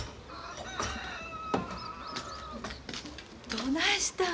どないしたん？